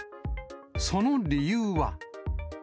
その理由は。